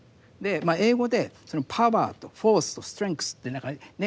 英語でパワーとフォースとストレングスって何かね